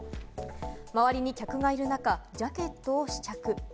周りに客がいる中、ジャケットを試着。